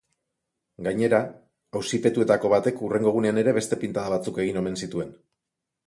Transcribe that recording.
Gainera, auzipetuetako batek hurrengo egunean ere beste pintada batzuk egin omen zituen.